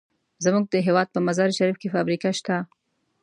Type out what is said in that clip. زمونږ د هېواد په مزار شریف کې فابریکه شته.